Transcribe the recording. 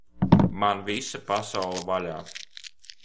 Man visa pasaule vaļā!